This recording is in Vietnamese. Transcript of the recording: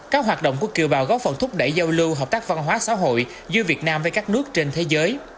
các hoạt động của kiều bào góp phần thúc đẩy giao lưu hợp tác văn hóa xã hội giữa việt nam với các nước trên thế giới